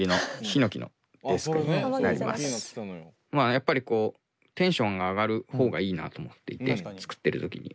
やっぱりテンションが上がる方がいいなと思っていて作ってる時に。